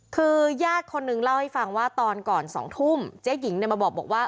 คือยากคนนึงเล่าให้ฟังว่าตอนก่อนสองทุ่มเจ๊หญิงได้มาบอกบอกว่า